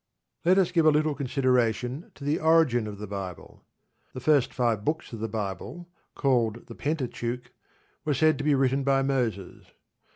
Let us give a little consideration to the origin of the Bible. The first five books of the Bible, called the Pentateuch, were said to be written by Moses.